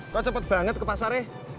kok cepet banget ke pasarnya